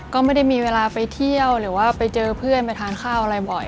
ก็ไม่ได้มีเวลาไปเที่ยวหรือว่าไปเจอเพื่อนไปทานข้าวอะไรบ่อย